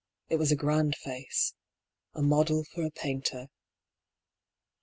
It was a grand face — a model for a painter.